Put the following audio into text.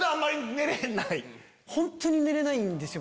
本当に寝れないんですよ